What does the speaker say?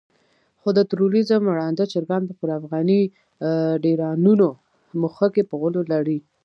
خو د تروريزم ړانده چرګان به پر افغاني ډيرانونو مښوکې په غولو لړي.